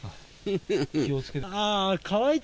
気をつけて。